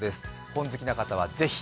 本好きな方は是非。